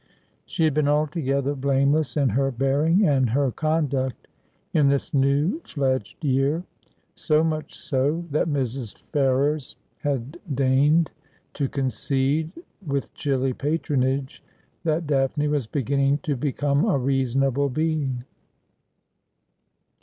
She had been altogether blameless in her bearing and her conduct in this new fiedged year : so much so that Mrs. Ferrers had deigned to concede, with chilly patronage, that Daphne was beginning to become a reasonable being.